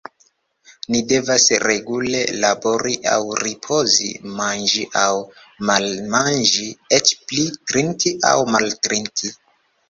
Ni devas regule labori aŭ ripozi, manĝi aŭ malmanĝi, eĉ pli: trinki aŭ maltrinki.